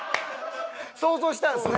想像したんですね。